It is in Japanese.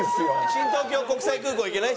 「新東京国際空港」いけない？